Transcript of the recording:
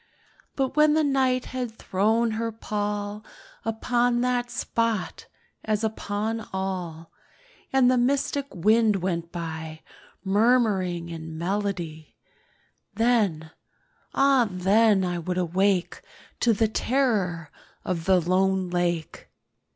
But when the Night had thrown her pall Upon that spot, as upon all, And the mystic wind went by Murmuring in melody— Then—ah then I would awake To the terror of the lone lake.